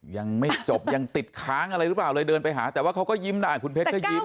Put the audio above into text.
ยังไม่จบยังติดค้างอะไรหรือเปล่าเลยเดินไปหาแต่ว่าเขาก็ยิ้มได้คุณเพชรก็ยิ้ม